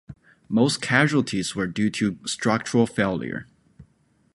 Most casualties were due to structural failure.